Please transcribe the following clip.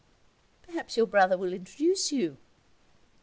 'Perhaps your brother will introduce you.'